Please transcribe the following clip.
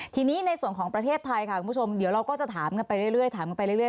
ทีนี้ในส่วนของประเทศไทยค่ะคุณผู้ชมเดี๋ยวเราก็จะถามกันไปเรื่อย